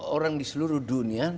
orang di seluruh dunia